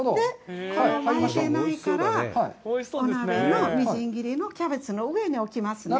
巻いてないから、お鍋に、みじん切りのキャベツの上に置きますね。